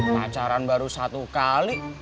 penacaran baru satu kali